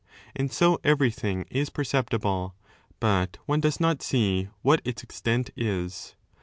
And so every thing is per ceptible, bat one does not see what its extent is.